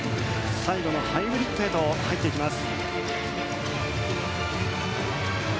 最後のハイブリッドへと入っていきます。